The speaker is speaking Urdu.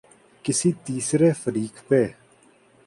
کسی تیسرے فریق پہ۔